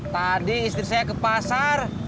tadi istri saya ke pasar